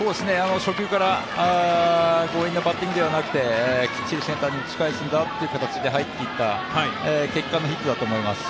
初球から強引なバッティングではなくてきっちりセンターに打ち返すという形で入っていった形の結果のヒットだと思います。